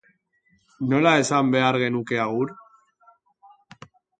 Nola esan behar genuke agur?